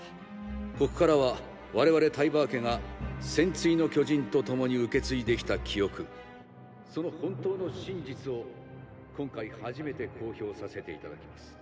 ここからは我々タイバー家が「戦鎚の巨人」と共に受け継いできた記憶その本当の真実を今回初めて公表させていただきます。